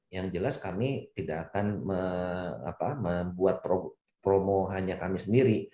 yang jelas kami tidak akan membuat promo hanya kami sendiri